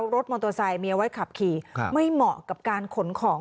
รถมอเตอร์ไซค์มีเอาไว้ขับขี่ไม่เหมาะกับการขนของ